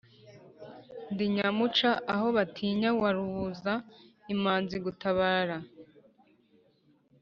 ndi nyamuca aho batinya wa rubuza imanzi gutabara,